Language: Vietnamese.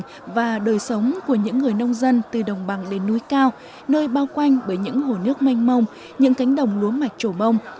trong lành và đời sống của những người nông dân từ đồng bằng lên núi cao nơi bao quanh bởi những hồ nước manh mông những cánh đồng lúa mạch trổ mông